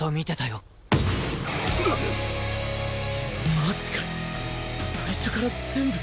マジかよ最初から全部！？